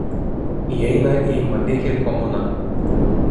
Įeina į Manihi komuną.